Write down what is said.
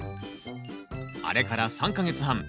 あれから３か月半。